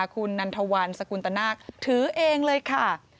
คุณนันทวันสกุลตนาคถือเองเลยค่ะ